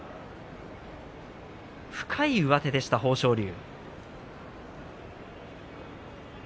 深い上手でした豊昇龍。